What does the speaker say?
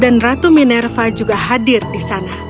dan ratu minerva juga hadir di sana